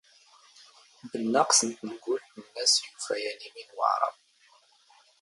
ⴱⵏⵏⴰⵇⵙ ⵏ ⵜⵏⴳⵓⵍⵜ ⵏⵏⴰ ⵙ ⵢⵓⴼⴰ ⵢⴰⵏ ⵉⵎⵉ ⵏ ⵡⴰⵄⵔⴰⴱ